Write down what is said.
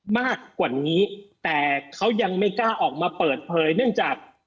มากกว่านี้แต่เขายังไม่กล้าออกมาเปิดเผยเนื่องจาก